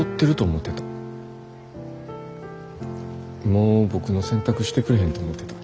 もう僕の洗濯してくれへんと思うてた。